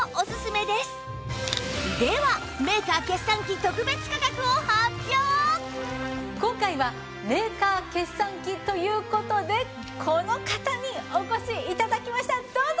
では今回はメーカー決算期という事でこの方にお越し頂きました。どうぞ！